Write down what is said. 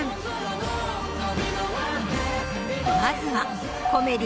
まずはコメディの奇才